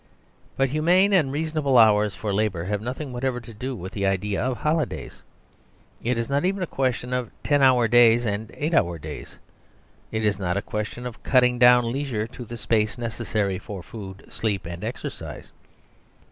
But humane and reasonable hours for labour have nothing whatever to do with the idea of holidays. It is not even a question of ten hours day and eight hours day; it is not a question of cutting down leisure to the space necessary for food, sleep and exercise.